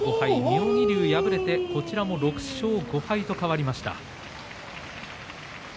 妙義龍、敗れて６勝５敗と変わりました。